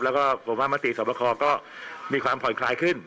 แล้วก็ผมว่ามติสวบคอก็มีความผ่อนคลายขึ้น